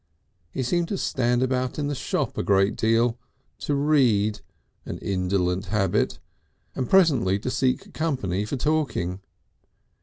He seemed to stand about in the shop a great deal, to read an indolent habit and presently to seek company for talking.